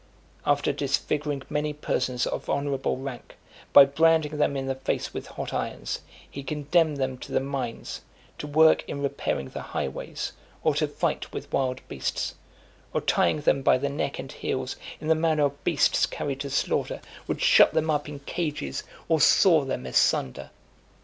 After disfiguring many persons of honourable rank, by branding them in the face with hot irons, he condemned them to the mines, to work in repairing the high ways, or to fight with wild beasts; or tying them by the neck and heels, in the manner of beasts carried to slaughter, would shut them up in cages, or saw them asunder.